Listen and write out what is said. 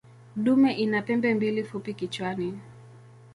Dume ina pembe mbili fupi kichwani.